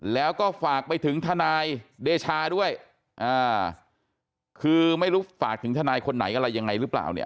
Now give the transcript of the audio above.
แล้วก็ฝากไปถึงทนายเดชาด้วยคือไม่รู้ฝากถึงทนายคนไหนอะไรยังไงหรือเปล่าเนี่ย